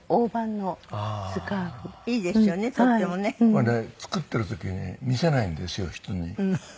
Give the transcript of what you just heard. これ作ってる時に見せないんですよ人に。